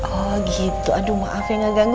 oh gitu aduh maaf ya gak ganggu